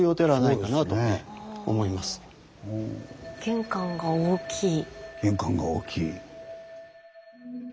玄関が大きい。